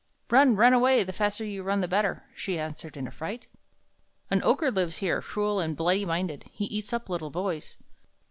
"Run, run away! The faster you run the better!" She answered in affright. "An Ogre lives here, cruel and bloody minded! He eats up little boys!